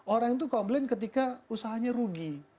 orang itu komplain ketika usahanya rugi